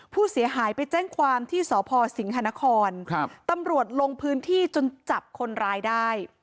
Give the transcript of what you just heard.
ผู้เสียหายไปแจ้งความที่สพสิงหานครตำรวจลงพื้นที่จนจับคนร้ายได้